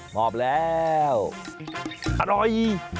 มอบแล้วอร่อย